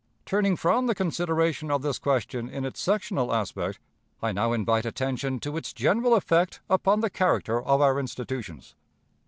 Turning from the consideration of this question in its sectional aspect, I now invite attention to its general effect upon the character of our institutions.